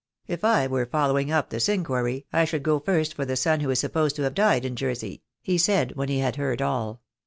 If I were following up this inquiry I should go first for the son who is supposed to have died in Jersey," he said, when he had heard all.